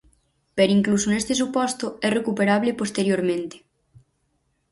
Pero incluso neste suposto é recuperable posteriormente.